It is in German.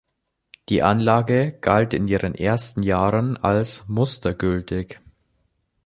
Die Anlage galt in ihren ersten Jahren als mustergültig.